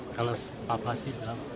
kalau apa apa sih enggak